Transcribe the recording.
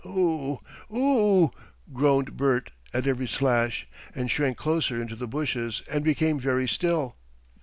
"Oo oo!" groaned Bert at every slash, and shrank closer into the bushes and became very still.